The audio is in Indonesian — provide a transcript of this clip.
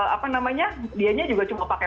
apa namanya dianya juga cuma pakai